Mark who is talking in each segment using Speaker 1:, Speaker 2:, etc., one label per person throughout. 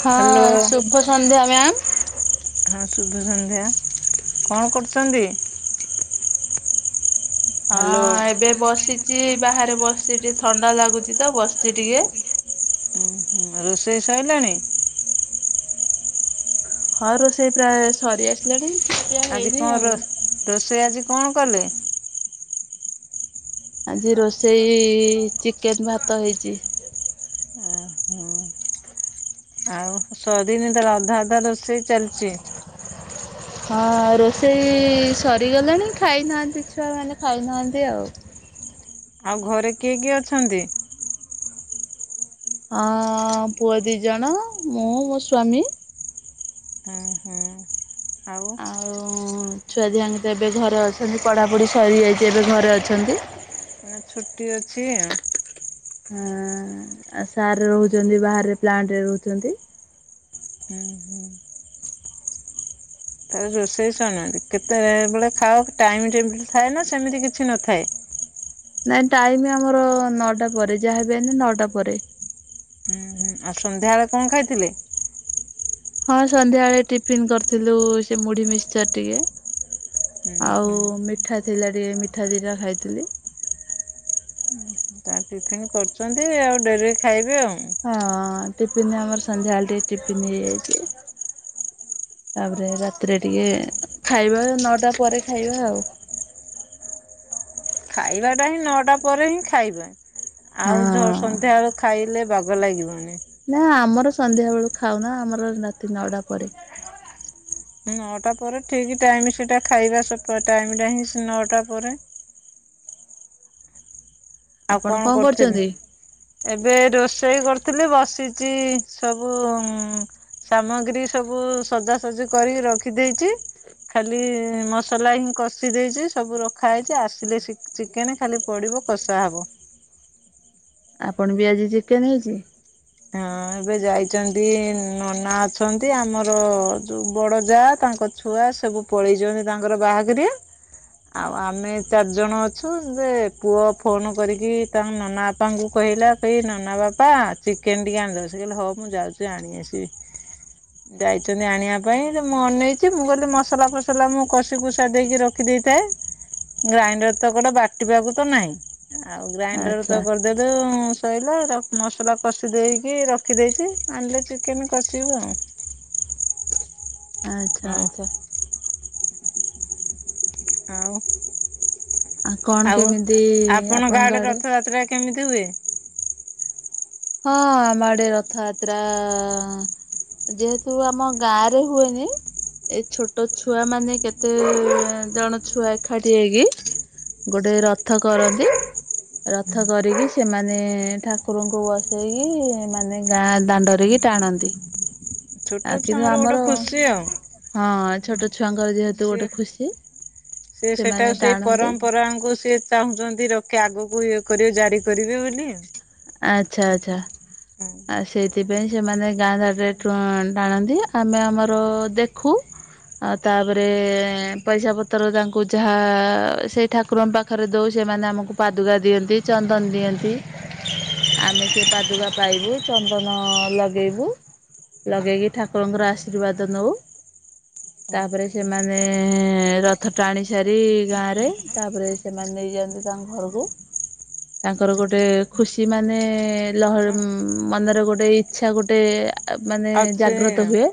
Speaker 1: ହଁ
Speaker 2: ହ୍ୟାଲୋ
Speaker 1: ଶୁଭ ସନ୍ଧ୍ୟା ମ୍ୟାମ୍।
Speaker 2: ହଁ ସୁଧ ସନ୍ଧ୍ୟା କଣ କରୁଛନ୍ତି? ହ୍ୟାଲୋ
Speaker 1: ହଁ ଏବେ ବସିଛି ବାହାରେ ବସିଛି ଟିକେ ଥଣ୍ଡା ଲାଗୁଛି ତ ବସିଛି ଟିକେ।
Speaker 2: ଉ ରୋଷେଇ ସରିଲାଣି।
Speaker 1: ହଁ ରୋଷେଇ ପ୍ରାୟ ସରି ଆସିଲାଣି। ଖିଆପିଆ
Speaker 2: ଆଜି
Speaker 1: ହେଇନି
Speaker 2: କଣ
Speaker 1: ଆଉ।
Speaker 2: ରୋ-ରୋଷେଇ ଆଜି କଣ କଲେ?
Speaker 1: ଆଜି ରୋଷେଇ ଚିକେନ ଭାତ ହେଇଛି।
Speaker 2: ଆ ହଁ। ଆଉ ଶରିନି ତାଲେ ଅଧା ଅଧା ରୋଷେଇ ଚାଲିଛି।
Speaker 1: ହଁ ରୋଷେଇ ସରିଗଲାଣି ଖାଇନାହାନ୍ତି ଛୁଆ ମାନେ ଖାଇନାହାନ୍ତି ଆଉ।
Speaker 2: ଆଉ ଘରେ କିଏ କିଏ ଅଛନ୍ତି?
Speaker 1: ହଁ ପୁଅ ଦି ଜଣ ମୁଁ ମୋ ସ୍ଵାମୀ।
Speaker 2: ହୁଁ ହୁଁ ଆଉ
Speaker 1: ଆଉ ଛୁଆ ଦିହାଙ୍କ ତ ଏବେ ଘରେ ଅଛନ୍ତି ପଢ଼ାପଢ଼ି ସରିଯାଇଛି ଏବେ ଘରେ ଅଛନ୍ତି।
Speaker 2: ହଁ ଛୁଟି ଅଛି ଆଉ।
Speaker 1: ହଁ ଆ ସାରରେ ରହୁଛନ୍ତି ବାହାରେ ପ୍ଲାଣ୍ଟ ରେ ରହୁଛନ୍ତି।
Speaker 2: ହୁଁ ହୁଁ। ତା ରୋଷେଇ ସାରିଲାଣି କେତେବେଳେ ବେଳେ ଖାଅ ଟାଇମ ଟେବୁଲୁ ଥାଏ ନା ସେମିତି କିଛି ନଥାଏ।
Speaker 1: ନାଇଁ ଟାଇମ ଆମର ନଅଟା ପରେ ଯାହାବି ହେନେ ନଅଟା ପରେ।
Speaker 2: ହୁଁ ହୁଁ ଆଉ ସନ୍ଧ୍ୟାବେଳେ କଣ ଖାଇଥିଲେ?
Speaker 1: ହଁ ସନ୍ଧ୍ୟାବେଳେ ଟିଫିିନ କରିଥିଲୁ ସେ ମୁଢ଼ି ମିିକଚର ଟିକେ।
Speaker 2: ହୁଁ
Speaker 1: ଆଉ
Speaker 2: ହୁଁ,
Speaker 1: ମିଠା ଥିଲା ଟିକେ ମିଠା ଦିଟା ଖାଇଥିଲି।
Speaker 2: [inaudible] ଚା ଟିଫିନ୍ କରିଛନ୍ତି ଆଉ ଡେରି ରେ ଖାଇବେ ଆଉ
Speaker 1: ହଁ ଟିଫିିନ ଆମର ସନ୍ଧ୍ୟାବେଳେ ଟିକେ ଟିଫିନ୍ ହେଇଯାଇଛି। ତାପରେ ରାତିରେ ଟିକେ ଖାଇବା ନଅଟା ପରେ ଖାଇବା ଆଉ।
Speaker 2: ଖାଇବାଟା ହିଁ ନଅଟା ପରେ ହିଁ ଖାଇବା। ଆଉ
Speaker 1: ହଁ।
Speaker 2: ସନ୍ଧ୍ୟାବେଳୁ ଖାଇଲେ ବାଗ ଲାଗିବନି।
Speaker 1: ନା ଆମର ସନ୍ଧ୍ୟା ବେଳୁ ଖାଉନା ଆମର ରାତି ନଅଟା ପରେ।
Speaker 2: ନଅଟା ପରେ ଠିକ ଟାଇମ ସେଇଟା ଖାଇବା ଟାଇମ ହିଁ ସେ ନଅଟା ପରେ। ଆଉ
Speaker 1: ଆପଣ
Speaker 2: କଣ କରୁଥିଲି?
Speaker 1: କରୁଛନ୍ତି?
Speaker 2: ଏବେ ରୋଷେଇ କରୁଥିଲି ବସିଚି ସବୁ ସାମଗ୍ରୀ ସବୁ ସଜାସଜି କରିକି ରଖିଦେଇଚି। ଖାଲି ମସଲା ହିଁ କଷି ଦେଇଛି ସବୁ ରଖା ହେଇଛି ଆସିଲେ ଶି ଚିକେନ ଖାଲି ପଡ଼ିବ କଷା ହବ।
Speaker 1: ଆପଣ ବି ଆଜି ଚିକେନ ହେଇଛି।
Speaker 2: ହଁ ଏବେ ଯାଇଛନ୍ତି ନନା ଅଛନ୍ତି ଆମର ଯୋଉ ବଡ଼ ଯା ତାଙ୍କ ଛୁଆ ସବୁ ପଳେଇ ଯନ୍ତି ତାଙ୍କର ବାହାଘରିଆ। ଆଉ ଆମେ ଚାରିଜଣ ଅଛୁ ଯେ ପୁଅ ଫୋନ୍ କରିକି ତାଙ୍କ ନନା ବାପାଙ୍କୁ କହିଲା ସେଇ ନନା ବାପା ଚିକେନ ଟିକେ ଆଣିଛନ୍ତି ସେ କହିଲେ ହଁ ମୁଁ ଯାଉଛି ଆଣି ଆସିବି। ଯାଇଛନ୍ତି ଆଣିବା ପାଇଁ ଯେ ମୁଁ ଅନେଇଛି ମୁଁ କହିଲି ମସଲା ଫସଲା ମୁଁ କଷି କୁଷା ଦେଇକି ରଖିଦେଇଥାଏ। ଗ୍ରାଇଣ୍ଡର ତ କୁଆଡ଼େ ବାଟିବାକୁ ତ ନାହିଁ। ଆଉ ଗ୍ରାଇଣ୍ଡର
Speaker 1: ଆଚ୍ଛା।
Speaker 2: ତ କରିଦେଲୁ ଶଇଲା ତା ମସଲା କଷି ଦେଇକି ରଖିଦେଇଛି ଆଣିଲେ ଚିକେନ୍ କଷିବୁ ଆଉ
Speaker 1: ଆଚ୍ଛା
Speaker 2: ଆଉ
Speaker 1: ଆଚ୍ଛା।
Speaker 2: ଆଉ
Speaker 1: କଣ
Speaker 2: ଆଉ
Speaker 1: କେମିତି
Speaker 2: ଆପଣଙ୍କ ଆଡ଼େ ରଥଯାତ୍ରା କେମିତି ହୁଏ?
Speaker 1: ହଁ ଆମ ଆଡ଼େ ରଥଯାତ୍ରା ଯେହେତୁ ଆମ ଗାଁ ରେ ହୁଏନି। ଏ ଛୋଟ ଛୁଆ ମାନେ କେତେ ଜଣ ଛୁଆ ଏଖାଠି ହେଇକି ଗୋଟେ ରଥ କରନ୍ତି ରଥ କରିକି ସେମାନେ ଠାକୁରଙ୍କୁ ବ ସେଇକି ମାନେ ଗାଁ ଦାଣ୍ଡରେକି ଟାଣନ୍ତି। ଆଉ
Speaker 2: ଛୋଟ
Speaker 1: କିନ୍ତୁ
Speaker 2: ଛୁଆଙ୍କର
Speaker 1: ଆମର
Speaker 2: ଗୋଟେ ଖୁସି ଆଉ।
Speaker 1: ହଁ ଛୋଟ ଛୁଆଙ୍କର ଯେ
Speaker 2: ସିଏ ସେ ସେଟା
Speaker 1: ସେମାନେ
Speaker 2: କୁ ସେଇ
Speaker 1: ଟାଣନ୍ତି
Speaker 2: ପରମ୍ପରାଙ୍କୁ ସିଏ ଚାହୁଁଛନ୍ତି ରଖେ ଆଗକୁ ଇଏ କରିବେ ଜାରି କରିବେ ବୋଲି।
Speaker 1: ଆଚ୍ଛା ଆଚ୍ଛା
Speaker 2: ହଁ।
Speaker 1: ଆଉ ସେଇଥିପାଇଁ ସେମାନେ ଗାଁ ଦାଣ୍ଡରେ ଟ ଟାଣନ୍ତି ଆମେ ଆମର ଦେଖୁ ଆଉ ତାପରେ ପଇସା ପତ୍ର ତାଙ୍କୁ ଯାହା ସେଇଠା କୁରଙ୍କ ପାଖରେ ଦୋଉ ସେମାନେ ଆମକୁ ପାଦୁକା ଦିଅନ୍ତି ଚନ୍ଦନ ଦିଅନ୍ତି।
Speaker 2: ଉ
Speaker 1: ଆମେ ସେ
Speaker 2: ହୁଁ।
Speaker 1: ପାଦୁକା ପାଇବୁ ଚନ୍ଦନ ଲଗେଇବୁ। ଲଗେଇକି ଠାକୁରଙ୍କର ଆଶୀର୍ବାଦ ନୋଉ।
Speaker 2: [inaudible]
Speaker 1: ତାପରେ ସେମାନେ ରଥ ଟାଣି ସାରି ଗାଁ ରେ ତାପରେ ସେମାନେ ନେଇଯାଆନ୍ତି ତାଙ୍କ ଘରକୁ ତାଙ୍କର ଗୋଟେ ଖୁସିମାନେ ଲହ ଉଁମ ମନରେ ଗୋଟେ ଇଚ୍ଛା ଗୋଟେ ମାନେ
Speaker 2: ଅଛି
Speaker 1: ଜାଗ୍ରତ
Speaker 2: ଆଉ।
Speaker 1: ହୁଏ।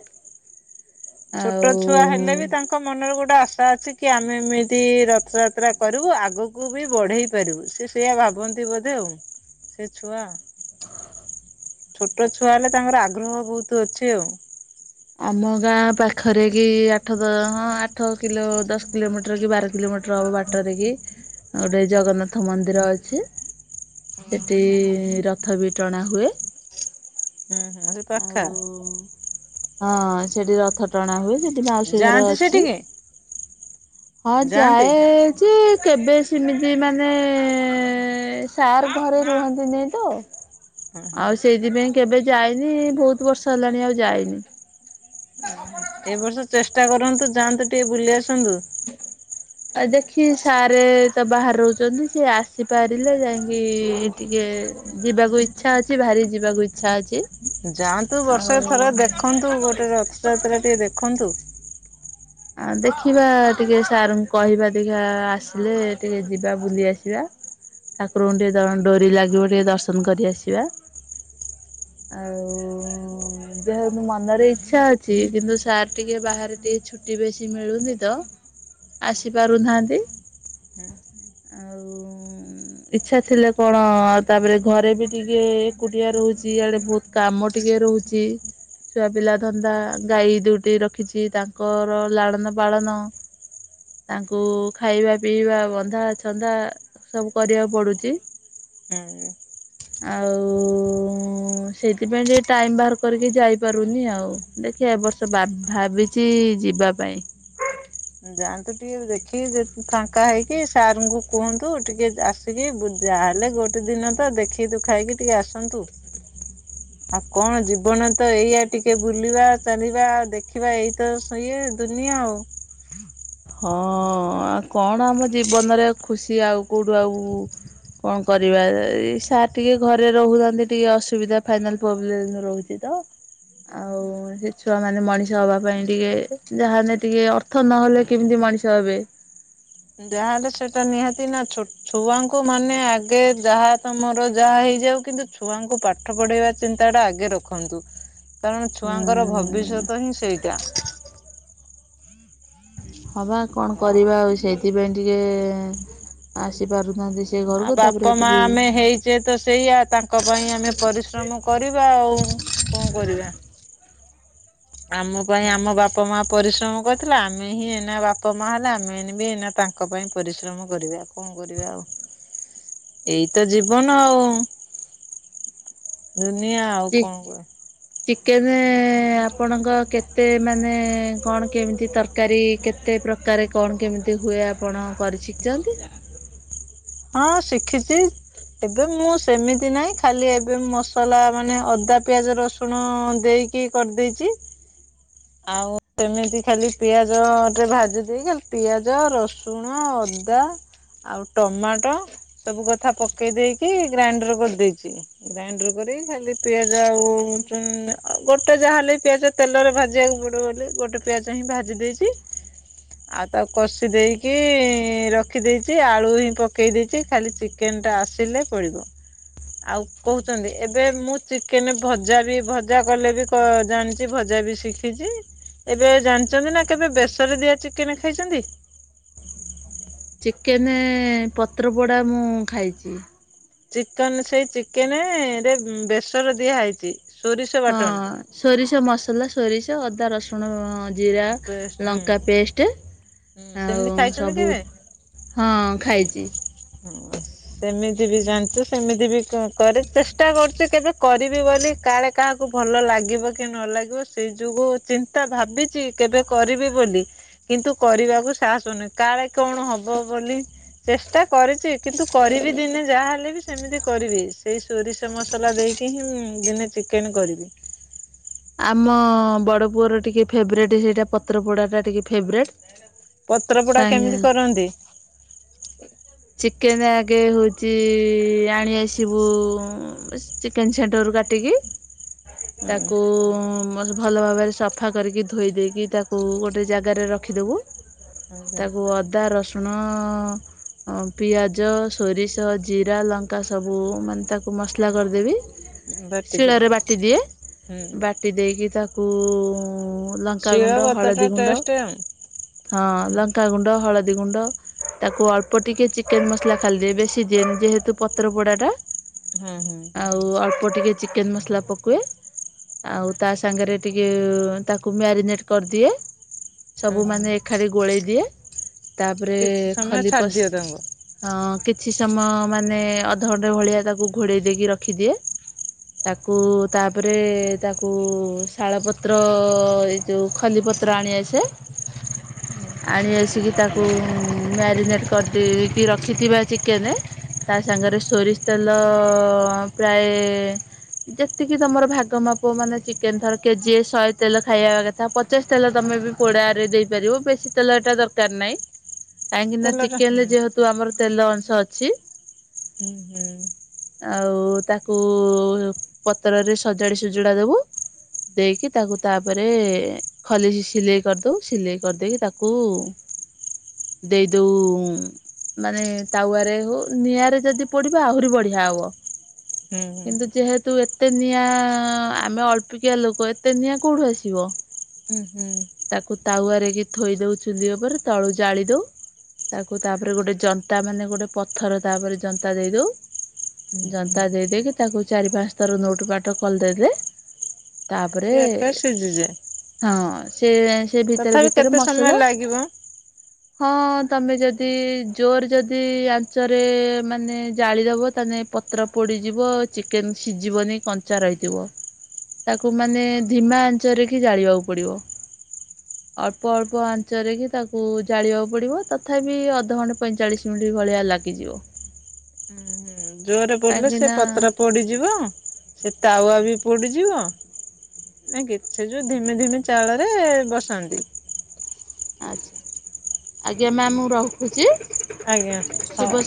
Speaker 1: ଆଉ
Speaker 2: ଛୋଟ ଛୁଆ ହେଲେ ବି ତା ଙ୍କ ମନରେ ଗୋଟେ ଆଶା ଅଛି କି ଆମେ ଏମିତି ରଥଯାତ୍ରା କରିବୁ ଆଗକୁ ବି ବଢେଇ ପାରିବୁ। ସେ ସେୟା ଭାବନ୍ତି ବୋଧେ ଆଉ ସେ ଛୁଆ। ଛୋଟ ଛୁଆ ହେଲେ ତାଙ୍କର ଆଗ୍ରହ ବହୁତ ଅଛି ଆଉ।
Speaker 1: ଆମ ଗାଁ ପାଖରେ କି ଆଠ ଦ ହଁ ଆଠ କିଲୋ ଦଶ କିଲୋମିଟର କି ବାର କିଲୋମିଟର ହବ ବା ଟରେ କି ଗୋଟେ ଜଗନ୍ନାଥ ମନ୍ଦିର ଅଛି ସେଠି ରଥ ବି ଟଣା ହୁଏ।
Speaker 2: ହୁଁ ହୁଁ ସେ
Speaker 1: ଆଉ
Speaker 2: ପାଖା
Speaker 1: ହଁ ସେଠି ରଥ ଟଣା ହୁଏ। ସେ ମାଉସୀ ଘର
Speaker 2: ଯାଆନ୍ତି
Speaker 1: ଅଛି।
Speaker 2: ସେଠିକି?
Speaker 1: ହଁ
Speaker 2: ଯାଆନ୍ତି
Speaker 1: ଯାଏ ଯେ କେବେ ସେମିତି ମାନେ ସାର୍ ଘରେ ରୁହନ୍ତିନି ତ
Speaker 2: ହଁ ହଁ
Speaker 1: ଆଉ ସେଇଥିପାଇଁ କେବେ ଯାଇନି। ବହୁତ ବର୍ଷ ହେଲାଣି ଆଉ ଯାଇନି।
Speaker 2: ଏ ବର୍ଷ ଚେଷ୍ଟା କରନ୍ତୁ ଯାଆନ୍ତୁ ଟିକେ ବୁଲି ଆସନ୍ତୁ।
Speaker 1: ଆଉ ଦେଖି ସାରେ ତ ବାହାରେ ରହୁଛନ୍ତି ସିଏ ଆସିପାରିଲେ ଯାଇକି ଟିକେ ଯିବାକୁ ଇଚ୍ଛା ଅଛି। ଭାରି ଯିବାକୁ ଇଚ୍ଛା ଅଛି।
Speaker 2: ଯାଆନ୍ତୁ ବର୍ଷରେ
Speaker 1: ଆଉ
Speaker 2: ଥର ଦେଖନ୍ତୁ। ଗୋଟେ ରଥଯାତ୍ରା ଟିକେ ଦେଖନ୍ତୁ।
Speaker 1: ଆ ଦେଖିବା ଟିକେ ସାର୍ ଙ୍କୁ କହିବା ଦେଖା ଆସିଲେ ଟିକେ ଯିବା ବୁଲି ଆସିବା। ଠାକୁରଙ୍କୁ ଟିକେ ଦ ଡୋରି ଲାଗିବ ଟିକେ ଦର୍ଶନ କରି ଆସିବା। ଆଉ ଦେହ ମୁ ମନରେ ଇଚ୍ଛା ଅଛି କିନ୍ତୁ ସାର୍ ଟିକେ ବାହାରେ ଟିକେ ଛୁ ଟି ବେଶୀ ମିଳୁନି ତ ଆସି ପାରୁନାହାନ୍ତି। ଇଛା ଥିଲେ କଣ ଆ ତାପରେ ଘରେ ବି ଟିକେ ଏକୁଟିଆ ରହୁଛି ଇଆଡେ ବହୁତ କାମ ଟିକେ ରହୁଛି। ଛୁଆ ପିଲା ଧନ୍ଦା ଗାଈ ଦୁଇଟି ରଖିଛି ତାଙ୍କ ଙ୍କର ଲାଳନ ପାଳନ ତାଙ୍କୁ ଖାଇବା ପିଇବା ବନ୍ଧାଛନ୍ଦା ସବୁ କରିବାକୁ ପଡୁଛି।
Speaker 2: ହୁଁ।
Speaker 1: ଆଉ ହଁ ସେଇଥିପାଇଁ ଟିକେ ଟାଇମ ବାହାର କରିକି ଯାଇପାରୁନି ଆଉ। ଦେଖିବା ଏ ବର୍ଷ ବା ଭାବିଛି ଯିବା ପାଇଁ।
Speaker 2: ଯାଆନ୍ତୁ ଟିକେ ଦେଖି ଫାଙ୍କା ହେଇକି ସାଟଙ୍କୁ କୁହନ୍ତୁ ଟିକେ ଆସ କି ଯାହେଲେ ଗୋଟେ ଦିନ ତ ଦେଖି ଦୁଖାକି ଟିକେ ଆସନ୍ତୁ। ଆଉ କଣ ଜୀବନ ତ ଏଇଆ ଟିକେ ବୁଲିବା, ଚାଲିବା ଆଉ ଦେଖିବା ଏଇ ତ ସ ଇଏ ଦୁନିଆ ଆଉ।
Speaker 1: ହଁ ଆଉ କଣ ଆମ ଜୀବନରେ ଖୁସି ଆଉ କଉଠୁ ଆଉ କଣ କରିବା ଏଇ ସାର୍ ଟିକେ ଘରେ ରହୁଥାନ୍ତି ଟିକେ ଅସୁବିଧା ଫାଇନାବ୍ ପୋବେଲମ ରହୁଛି। ତ ଆଉ ସେ ଛୁଆ ମାନେ ମଣିଷ ହବା ପାଇଁ ଟିକେ ଯାହେନେ ଟିକେ ଅର୍ଥ ନହେଲେ କେମିତି ମଣିଷ ହେବେ?
Speaker 2: ଯାହାଲେ ସେଟା ନିହାତି ନା। ଛୋଟ ଛୁଆଙ୍କୁ ମାନେ ଆଗେ ଯାହା ତମର ଯାହା ହେଇଯାଉ, କିନ୍ତୁ ଛୁଆଙ୍କୁ ପାଠ ପାଠ ପଢ଼େଇବା ଚିନ୍ତାଟା ଆଗେ ରଖନ୍ତୁ। କାରଣ ଛୁଆଙ୍କର ଭବିଷ୍ୟତ ହିଁ ସେଇଟା।
Speaker 1: ହବା କଣ କରିବା ଆଉ ସେଇଥିପାଇଁ ଟିକେ ଆସିପାରୁ ନାହାନ୍ତି।
Speaker 2: ଆଉ ବାପା ମା ଆମେ ହେଇ ସେ ତ ସେଇଆ ତାଙ୍କ ପାଇଁ ଆମେ ପରିଶ୍ରମ କରିବା ଆଉ। କଣ କରିବା? ଆମ ପାଇଁ ଆମ ବାପା ବାପା ମା ପରିଶ୍ରମ କରିଥିଲେ ଆମେ ହିଁ ଏନା ବାପା ମା ହେଲେ ଆମେ ଏ ବି ଏନା ତାଙ୍କ ପାଇଁ ପରିଶ୍ରମ କରିବା। କଣ କଣ କରିବା ଆଉ ଏଇ ତ ଜୀବନ ଆଉ ଦୁନିଆ ଆଉ କଣ କରି
Speaker 1: ଚିକେନ ଆପଣଙ୍କ କେତେ ମାନେ କଣ କେମିତି ତରକାରୀ କେତେ? ପ୍ରକାରେ କଣ କେମିତି ହୁଏ ଆପଣ କରି ଶିଖିଛନ୍ତି?
Speaker 2: ହଁ ଶିଖିଛି ଏବେ ମୁଁ ସେମିତି ନାହିଁ ଖାଲି ଏବେ ମସଲା ମାନେ ଅଦା ପିଆଜ ରସୁଣ ଦେଇକି କିଏ କରିଦେଇଛି ଆଉ ସେମିତି ଖାଲି ପିଆଜ ଟେ ଭାଜି ଦେଇେକି ଖାଲି ପିଆଜ ରଷୁ ସୁଣ ଅଦା ଆଉ ଟମାଟୋ ସବୁ କଥା ପକେଇ ଦେଇକି ଗ୍ରାଇଣ୍ଡର୍ କରିଦେଇଛି। ଗ୍ରାଇଣ୍ଡର କରି ଖାଲି ପିଆଜ ଆଉ ଗୋଟେ ଯାହା ହେଲେ ପିଆଜ ତେଲରେ ଭା [unintelligible] ଯିବାକୁ ପଡ଼ ଗଲେ [unintelligible] ଗୋଟେ ପିଆଜ ହିଁ ଭାଜି ଦେଇଛି। ଆଉ ତାକୁ କଷି ଦେଇକି ରଖିଦେଇଛି ଆଳୁ ହିଁ ପକେଇ ଦେଇଛି ଖାଲି ଚି କେନ୍ଟା ଆସିଲେ ପଡିବ। ଆଉ କହୁଛନ୍ତି ଏବେ ମୁଁ ଚିକେନ ଭଜା ବି ଭଜା କଲେ ବି ଜାଣିଛି ଭଜା ବି ଶିଖି ଦେଖଛି ଏବେ ଜାଣିଛନ୍ତି ନା କେବେ ବେସର ଦିଆ ଚିକେନ ଖାଇଛନ୍ତି?
Speaker 1: ଚିକେନ ପତ୍ରପୋଡ଼ା ମୁଁ ଖାଇଛି।
Speaker 2: ଚିକେନ ସେଇ ଚିକେନ ରେ ବେସର ଦିଆହେଇଛି, ସୋରିଷ
Speaker 1: ହଁ
Speaker 2: ବାଟଣ
Speaker 1: ସୋରିଷ ମସଲା ସୋରିଷ ଅଦା ରସୁଣ ଜିରା
Speaker 2: ପେଷ୍ଟ ହୁଁ
Speaker 1: ଲଙ୍କା ପେଷ୍ଟ
Speaker 2: ହୁଁ ସେମିତି
Speaker 1: ଆଉ
Speaker 2: ଖାଇଛନ୍ତି
Speaker 1: ସବୁ ହଁ ଖାଇଛି।
Speaker 2: ହ ସେମିତି ବି ଜାଣିଛୁ ସେମିତି ବି କରେ ଚେଷ୍ଟା କରୁଛୁ କେବେ କରିବି ବୋଲି କାଳେ କାହାକୁ ଭଲ ଲାଗିବ କି ନ ଲାଗିବ ସେଇ ଯୋଗୁଁ ତା ଭାବିଛି କେବେ କରିବି ବୋଲି କିନ୍ତୁ କରିବାକୁ ସାହସନି କାଳେ କଣ ହବ ବୋଲି ଚେଷ୍ଟା କରିଛି କିନ୍ତୁ କରିବି ଦିନେ ଯାହାହଲେ ବି ସେମିତି କରିବି ସେଇ ସୋରିଷ ମସଲା ଦେଇକି ହିଁ ମୁଁ ଦିନେ ଚିକେନ କରିବି।
Speaker 1: ଆମ ବଡ଼ ପୁଅର ଟିକେ ଫେବରେଟ୍ ସେଇଟା ପତ୍ରପୋଡା ଟା ଟିକେ ଫେବରେଟ୍
Speaker 2: ପତ୍ର ପୋଡା
Speaker 1: କାହିଁକି
Speaker 2: କେମିତି କରନ୍ତି?
Speaker 1: ଚିକେନ୍ ଆଗେ ହେଉଛି ଆଣି ଆସିବୁ ଚିକେନ ସେଣ୍ଟର ରୁ କାଟିକି
Speaker 2: ହଉ।
Speaker 1: ତାକୁ ଭଲ ଭାବରେ ସଫା କରିକି ଧୋଇ ଦେଇକି ତାକୁ ଗୋଟେ ଜାଗାରେ ରଖିଦବୁ। ତାକୁ ଅଦା ରସୁଣ ହଁ ପିଆଜ ସୋରିଷ ଜିରା ଲଙ୍କା ସବୁ ମାନେ ତାକୁ ମସଲା କରିଦେବି
Speaker 2: ବାଟି ଦିଅ
Speaker 1: ଶିଳରେ ବାଟି ଦିଏ
Speaker 2: ହୁଁ
Speaker 1: ବାଟି ଦେଇକି ତାକୁ
Speaker 2: ଶିଳ
Speaker 1: ଲଙ୍କାଗୁଣ୍ଡ
Speaker 2: ବତାଟା
Speaker 1: ହଳଦୀ ଗୁଣ୍ଡ
Speaker 2: ଟେଷ୍ଟ ଆଉ
Speaker 1: ହଁ ଲଙ୍କାଗୁଣ୍ଡ ହଳଦୀ ଗୁଣ୍ଡ ତାକୁ ଅଳ୍ପ ଟିକେ ଚିକେନ ମସଲା ଖାଲି ଦିଏ ବେଶି ଦିଏନି ଯେହେତୁ ପତ୍ର ପୋଡା ଟା
Speaker 2: ହଁ ହଁ।
Speaker 1: ଆଉ ଅଳ୍ପ ଟିକେ ଚିକେନ୍ ମସଲା ପକାଏ ଆଉ ତା ସାଙ୍ଗରେ ଟିକେ ତାକୁ ମ୍ୟାରିନେଟ କରିଦିଏ, ସବୁ
Speaker 2: ହଁ
Speaker 1: ମାନେ ଅଖାରେ ଗୋଳେଇ ଦିଏ ତାପରେ
Speaker 2: କିଛି ସମୟ
Speaker 1: ଖଲି
Speaker 2: ଛାଡି
Speaker 1: ପସ୍
Speaker 2: ଦିଅ ତାଙ୍କୁ।
Speaker 1: ହଁ କିଛି ସମୟ ମାନେ ଅଧଘଣ୍ଟେ ଭଳିଆ ତାକୁ ଘୋଡ଼େଇ ଦେଇକି ରଖିଦିଏ। ତାକୁ ତାପରେ ଏ ତାକୁ ଶାଳପତ୍ର ଏଇ ଯୋଉ ଖଲିପତ୍ର ଆଣିଆସେ।
Speaker 2: ହୁଁ।
Speaker 1: ଆଣି ଆସିକି ତାକୁ ମ୍ୟାରିନେଟ୍ କରିଦେଇକି ରଖିଥିବା ଚିକେନରେ ତା ସାଙ୍ଗରେ ଶୋରିଷ ତେଲ ପ୍ରାୟେ ଯେତିକି ତମର ଭାଗ ମା ପ ମାନେ ଚିକେନ ଥର କେଜିଏ ଶହେ ତେଲ ଖାଇବା କଥା ପଚାଶ ତେଲ ତମେ ବି ପୋଡାରେ ଦେଇପାରିବ ବେଶୀ ତେଲ ଏଟା ଦରକାର ନାଇଁ। କାହିଁକିନା
Speaker 2: ତେଲଟା ହୁଁ
Speaker 1: ଚିକେନରେ ଯେହେତୁ ଆମର ତେଲ ଅଂଶ ଅଛି।
Speaker 2: ହୁଁ ହୁଁ।
Speaker 1: ଆଉ ତାକୁ ପତରରେ ସଜାଡି ସୁଜୁଡା ଦୋବୁ। ଦେଇକି ତାକୁ ତାପରେ ଏ ଖଲିରେ ସିଲେଇ କରିଦୋବୁ ସିଲେଇ କରିଦେଇକି ତାକୁ ଦେଇଦୋଉ ଉମ୍ ମାନେ ତାୱରେ ହୋଉ ନିଆଁରେ ଯଦି ପୋଡିବେ ଆହୁରି ବଢିଆ ହବ।
Speaker 2: ହୁଁ ହୁଁ
Speaker 1: କିନ୍ତୁ ଯେହେତୁ ଏତେ ନିଆଁ ଆମେ ଅଳ୍ପିକିଆ ଏତେ ଲୋକ ଏତେ ନିିଆଁ କୋଉଠୁ ଆସିବ।
Speaker 2: ଉଁହୁଁ।
Speaker 1: ତାକୁ ତାୱରେକି ଥୋଇଦୋଉ ଚୁଲି ଓପରେ ତଳୁ ଜାଳିଦୋଉ। ତାକୁ ତାପରେ ଗୋଟେ ଜନ୍ତା ମାନେ ଗୋଟେ ପଥର ତାପରେ ଜନ୍ତା ଦେଇଦୋଉ।
Speaker 2: ହୁଁ ହୁଁ।
Speaker 1: ଜନ୍ତା ଦେଇଦେଇକି ତାକୁ ଚାରିପାଞ୍ଚ ଥର ନୋଉଟୁ ପାଟ କଲଦେଲେ। ତାପରେ
Speaker 2: ସେ ଆପେ ସିଝିଯାଏ
Speaker 1: ହଁ ସିଏ ସେ ଭିତରେ
Speaker 2: ତଥାପି
Speaker 1: ଭିତରେ
Speaker 2: କେତେ ସମୟ
Speaker 1: ମସଲା
Speaker 2: ଲାଗିବ?
Speaker 1: ହଁ ତମେ ଯଦି ଜୋରେ ଯଦି ଆଞ୍ଚରେ ମାନେ ଜାଳିଦବ ତାହାନେ ପତ୍ର ପୋଡ଼ିଯିବ ଚିକେନ ସିଜିବନି କଞ୍ଚା ରହିଯିବ। ତାକୁ ମାନେ ଧିମା ଆଞ୍ଚରେକି ଜାଳିବାକୁ ପଡିବ। ଅଳ୍ପ ଅଳ୍ପ ଆଞ୍ଚରେ କି ତାକୁ ଜାଳିବାକୁ ପଡିବ ତଥାପି ଅଧଘଣ୍ଟେ ପଇଁଚାଳିଶ ମିନଟି ଭଳିଆ ଲା ଗିଯିବ
Speaker 2: ଉଁହୁଁ ଜୋରେ ପଡ଼ିଲେ ସେ
Speaker 1: ନା
Speaker 2: ପତ୍ର ପୋଡ଼ିଯିବ। ସେ ତାୱା ବି ପୋଡ଼ିଯିବ। ନାକି ସେ ଯୋଉ ଧିମି ଧିମି ଚାଉଳରେ ବସାନ୍ତି।
Speaker 1: ଆଚ୍ଛା ଆଜ୍ଞା ମ୍ୟାମ୍ ମୁଁ ରଖୁଚି।
Speaker 2: ଆଜ୍ଞା ହଉ।